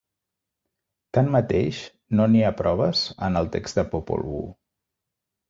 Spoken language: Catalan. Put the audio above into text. Tanmateix, no n'hi ha proves en el text de Popol Vuh.